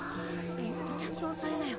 もっとちゃんと押さえなよ。